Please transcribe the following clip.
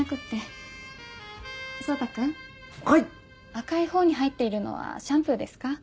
赤いほうに入っているのはシャンプーですか？